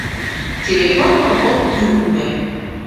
Телефон провод кӱрлмӧ.